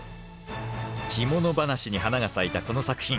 着物話に花が咲いたこの作品。